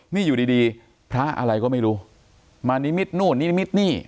นี่อยู่ดีดีพระอะไรก็ไม่รู้มานิมิตนู่นนิมิตนี่